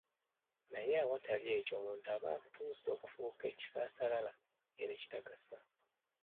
Naye awatali ekyo omuntu aba atuuse okufuuka ekisassalala era ekitagasa.